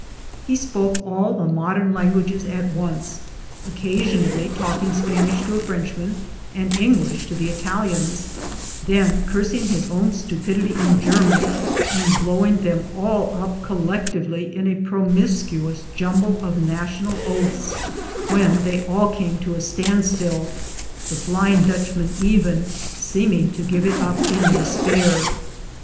He spoke all the modem languages at once, occasionally talking Spanish to a Frenchman, and English to the Italians, then cursing his o\^"n stupidit}" in German, and blow ing them all up collectively in a promiscuous jumble of national oaths, when they all came to a stand still, the Flying Dutchm.an even seeming to give it up in despair.